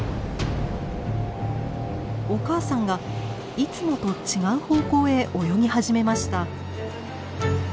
お母さんがいつもと違う方向へ泳ぎ始めました。